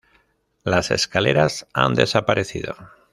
Las escaleras han desaparecido.